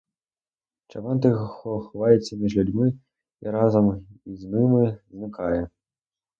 Чабан тихо ховається між люди і разом із ними зникає.